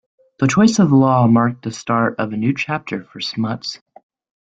The choice of Law marked the start of a new chapter for Smuts.